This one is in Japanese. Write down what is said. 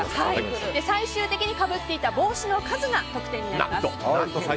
最終的にかぶっていた帽子の数が得点になります。